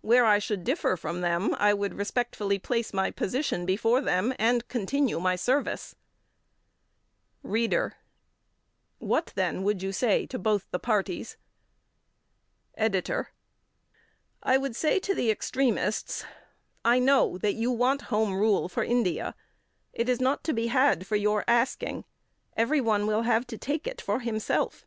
Where I should differ from them, I would respectfully place my position before them, and continue my service. READER: What, then, would you say to both the parties? EDITOR: I would say to the extremists: "I know that you want Home Rule for India; it is not to be had for your asking. Everyone will have to take it for himself.